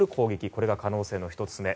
これが可能性の１つ目。